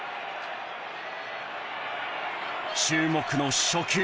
注目の初球。